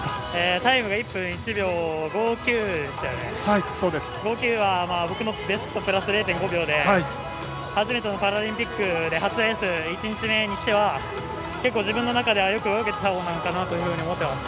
最後が１分１秒５９で５９は僕のベストプラス０．５秒で初めてのパラリンピックで初レース、１日目にしては結構、自分の中ではよく泳げたほうかなと思ってます。